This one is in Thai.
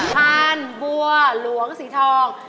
พันธุ์บัวหลวงสีทอง